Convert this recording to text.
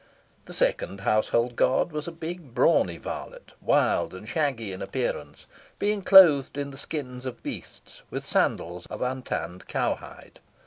The second household god was a big brawny varlet, wild and shaggy in appearance, being clothed in the skins of beasts, with sandals of untanned cowhide.